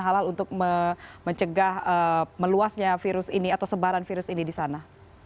halal untuk mencegah meluasnya virus ini atau sebaran virus ini di sana